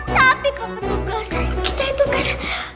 tapi pak petugas kita itu kan